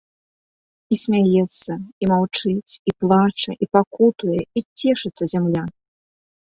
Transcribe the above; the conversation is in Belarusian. І смяецца, і маўчыць, і плача, і пакутуе, і цешыцца зямля.